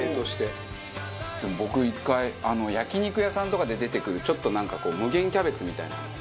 でも僕１回焼肉屋さんとかで出てくるちょっとなんかこう無限キャベツみたいなの。